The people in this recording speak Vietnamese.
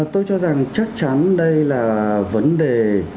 tôi cho rằng chắc chắn đây là vấn đề